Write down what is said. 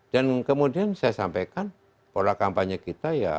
dan kemudian saya sampaikan pola kampanye kita ya